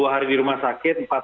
dua puluh dua hari di rumah sakit